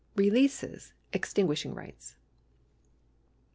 Releases — extinguishing rights.